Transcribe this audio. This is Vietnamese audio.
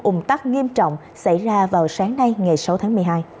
ủng tắc nghiêm trọng xảy ra vào sáng nay ngày sáu tháng một mươi hai